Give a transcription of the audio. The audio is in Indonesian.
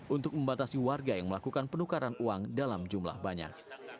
untuk membatasi warga yang melakukan penukaran uang dalam jumlah banyak